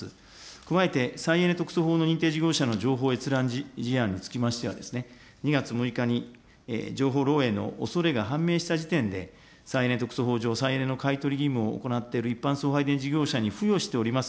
加えて再エネ特措法の認定事業者の情報閲覧事案につきましては、２月６日に情報漏えいのおそれが判明した時点で、再エネ特措法上、再エネの買い取り義務を行っている一般送配電事業者に付与しております